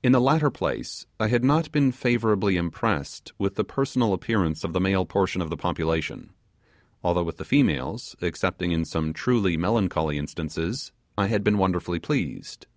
In the latter place, I had not been favourably impressed with the personal appearance of the male portion of the population; although with the females, excepting in some truly melancholy instances, I had been wonderfully pleased.